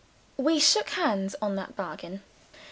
We shook hands on that bargain.